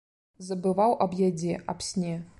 Забываў аб ядзе, аб сне.